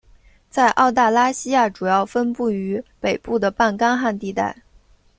在澳大拉西亚主要分布于北部的半干旱地带。